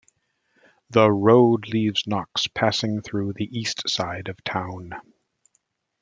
The road leaves Knox passing through the east side of town.